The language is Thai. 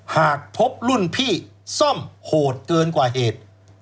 หากพบรุ่นพี่ซ่อมโหดเกินกว่าเหตุ